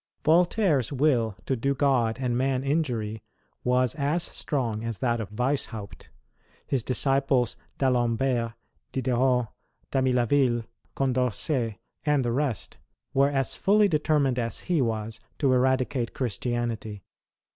Voltaire's will to do God and man injury was as strong as that of Weishaupt. His disciples, D'Alembert, Diderot, Dami laville, Condorcet, and the rest, were as fully determined as he was, to eradicate Christianity.